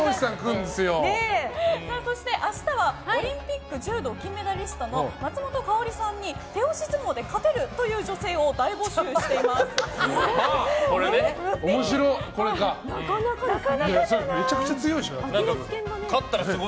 そして明日はオリンピック柔道金メダリストの松本薫さんに手押し相撲で勝てるという女性を面白い。